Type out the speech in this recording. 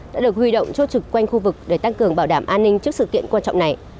đã được huy động chốt trực quanh khu vực để tăng cường bảo đảm an ninh trước sự kiện quan trọng này